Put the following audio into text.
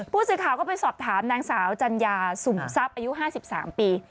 ผู้สื่อข่าวก็ไปสอบถามนางสาวจัญญาสุ่มทรัพย์อายุ๕๓ปี